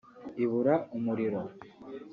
ibura umuriro